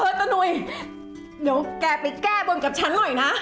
เดี๋ยวก่ายแก้บนกับฉันหน่อยนะ